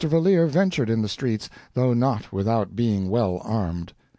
Valeer ventured in the streets, though not without being well armed.